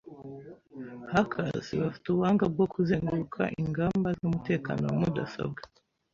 Hackers bafite ubuhanga bwo kuzenguruka ingamba z'umutekano wa mudasobwa.